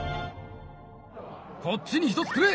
こっちに１つくれ！